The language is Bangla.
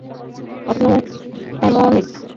কর্নু অ্যামোনিস?